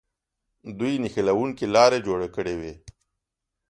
دوی نښلوونکې لارې جوړې کړې وې.